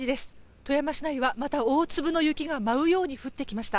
富山市内は、また大粒の雪が舞うように降ってきました。